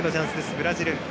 ブラジル。